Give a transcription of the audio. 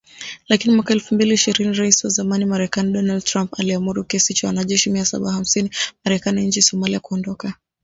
Lakini mwaka elfu mbili ishirini Rais wa zamani Marekani ,Donald Trump, aliamuru kiasi cha wanajeshi mia saba hamsini wa Marekani nchini Somalia kuondoka